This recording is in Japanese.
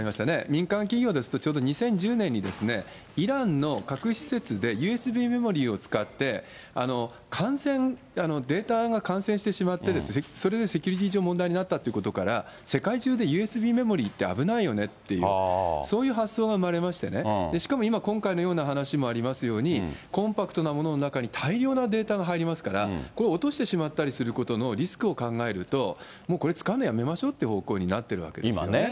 民間企業ですと、ちょうど２０１０年にイランの核施設で、ＵＳＢメモリを使って、感染、データが感染してしまって、それでセキュリティー上、問題になったってことから、世界中でＵＳＢメモリって危ないよねっていう、そういう発想が生まれましてね、しかも今、今回のような話もありますように、コンパクトなものの中に大量なデータが入りますから、落としてしまったりすることのリスクを考えると、もうこれ使うのやめましょうという方向になってるわけですよね。